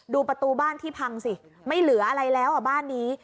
ดูประตูบ้านที่พังสิไม่เหลืออะไรแล้วบ้านนี้